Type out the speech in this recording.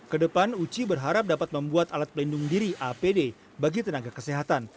kedepan uci berharap dapat membuat alat pelindung diri apd bagi tenaga kesehatan